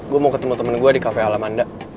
gue mau ketemu temen gue di cafe alamanda